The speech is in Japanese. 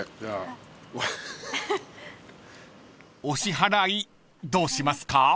［お支払いどうしますか？］